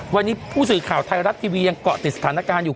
วันนี้ผู้สื่อข่าวไทยรัฐทีวียังเกาะติดสถานการณ์อยู่